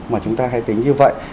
mà chúng ta hay tính như vậy